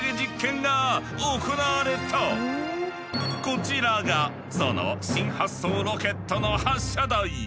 こちらがその新発想ロケットの発射台。